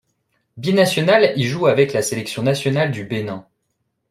Bi-national, il joue avec la sélection nationale du Bénin.